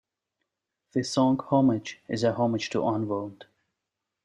The song "Homage" is a homage to Unwound.